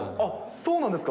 そうなんですか。